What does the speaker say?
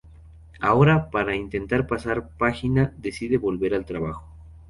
Ahora, para intentar pasar página decide volver al trabajo.